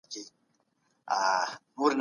د اسلام مبارک دين تر ټولو سپېڅلی دی.